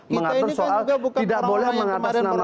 mengatur soal tidak boleh mengatasnamakan